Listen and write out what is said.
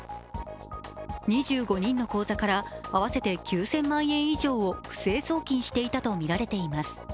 ２５人の口座から合わせて９０００万円以上を不正送金していたとみられています。